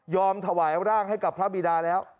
ถวายร่างให้กับพระบิดาแล้ว